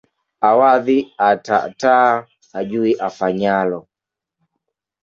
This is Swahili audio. Awadhi ataataa hajui afanyalo